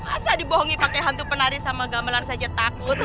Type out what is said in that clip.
masa dibohongi pakai hantu penari sama gamelan saja takut